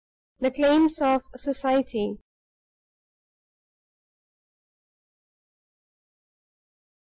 THE CLAIMS OF SOCIETY.